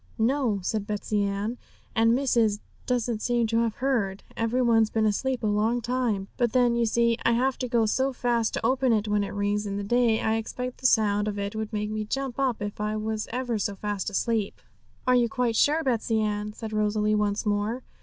'No,' said Betsey Ann; 'and missis doesn't seem to have heard; every one's been asleep a long time; but then, you see, I have to go so fast to open it when it rings in the day, I expect the sound of it would make me jump up if I was ever so fast asleep.' 'Are you quite sure, Betsey Ann?' said Rosalie once more.